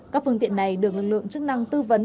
các phương tiện này được lực lượng chức năng tư vấn